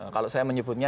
kalau saya menyebutnya